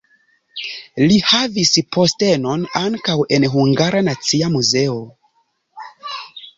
Li havis postenon ankaŭ en Hungara Nacia Muzeo.